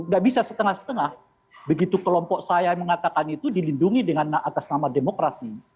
gak bisa setengah setengah begitu kelompok saya mengatakan itu dilindungi dengan atas nama demokrasi